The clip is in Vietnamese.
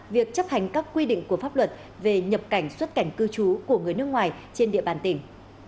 việc chấp hành các quy định của pháp luật về nhập cảnh xuất cảnh cư trú của người nước ngoài trên địa bàn tỉnh